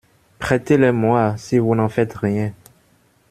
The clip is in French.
Prêtez-les-moi, si vous n’en faites rien.